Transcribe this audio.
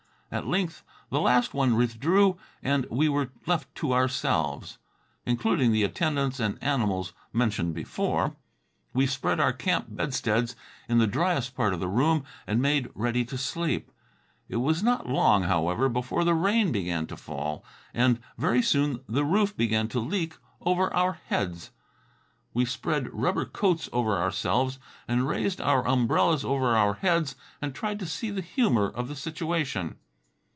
At length the last one withdrew and we were left to ourselves, including the attendants and animals mentioned before. We spread our camp bedsteads in the driest part of the room and made ready to sleep. It was not long, however, before the rain began to fall, and very soon the roof began to leak over our heads. We spread rubber coats over ourselves and raised our umbrellas over our heads and tried to see the humor of the situation.